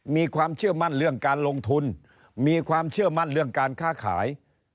มีความเชื่อมั่นเรื่องการลงทุนมีความเชื่อมั่นเรื่องการค้าขาย